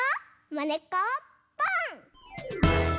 「まねっこポン！」。